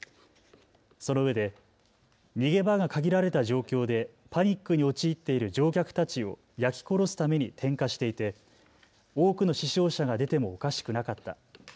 そのうえで逃げ場が限られた状況でパニックに陥っている乗客たちを焼き殺すために点火していて多くの死傷者が出てもおかしくなかった。